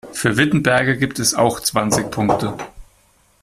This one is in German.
Für Wittenberge gibt es auch zwanzig Punkte.